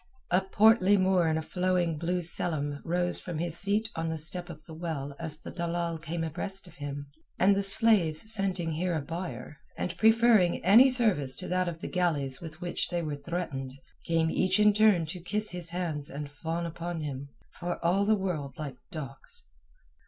A portly Moor in a flowing blue selham rose from his seat on the step of the well as the dalal came abreast of him, and the slaves scenting here a buyer, and preferring any service to that of the galleys with which they were threatened, came each in turn to kiss his hands and fawn upon him, for all the world like dogs.